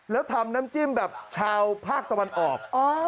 แล้วทำน้ำจิ้มแบบชาวภาคตะวันออก